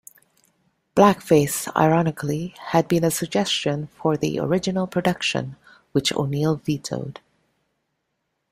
Blackface, ironically, had been a suggestion for the original production, which O'Neill vetoed.